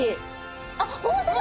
あっ本当だ！